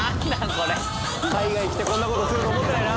コレ海外来てこんなことすると思ってないな